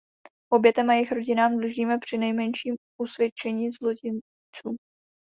Obětem a jejich rodinám dlužíme přinejmenším usvědčení zločinců.